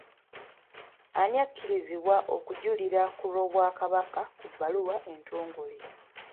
Ani akkirizibwa okujulira ku lw’Obwakabaka ku bbaluwa entongole?